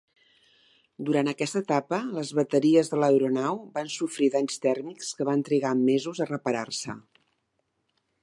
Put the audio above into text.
Durant aquesta etapa, les bateries de l'aeronau van sofrir danys tèrmics que van trigar mesos a reparar-se.